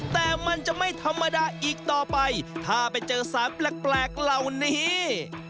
แต่มันจะไม่ธรรมดาอีกต่อไปถ้าไปเจอสารแปลกเหล่านี้